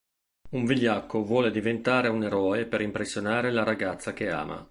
Un vigliacco vuole diventare un eroe per impressionare la ragazza che ama.